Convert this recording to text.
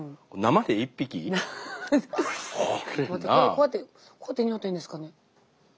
こうやって匂っていいんですかね。